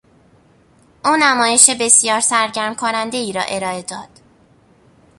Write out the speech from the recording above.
او نمایش بسیار سرگرم کنندهای را ارائه داد.